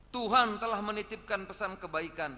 tuhan telah menitipkan pesan kebaikan